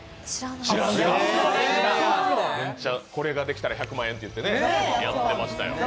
これができたら１００万円といって、やってましたよ。